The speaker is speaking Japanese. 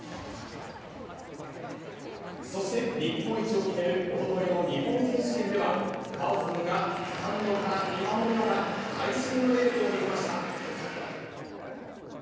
そして日本一を決める、おとといの日本選手権では、果緒さんがスタンドから見守る中、会心のレースを見せました。